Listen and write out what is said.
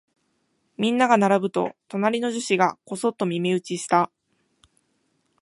みんなが並ぶと、隣の女子がこそっと耳打ちした。